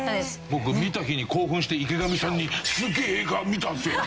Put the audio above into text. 僕見た日に興奮して池上さんに「すげえ映画見たんですよ！」。